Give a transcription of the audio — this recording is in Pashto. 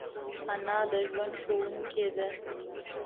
انا د ژوند ښوونکی ده